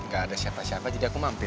gak ada siapa siapa jadi aku mampir